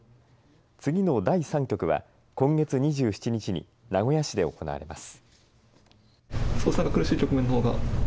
次の第３局は今月２７日に名古屋市で行われます。